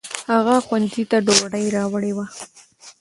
هغه ښوونځي ته ډوډۍ راوړې وه.